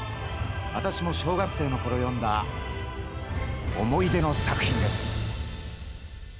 私も小学生のころ読んだ思い出の作品です。